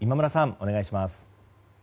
お願いします。